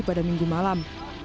pada minggu malam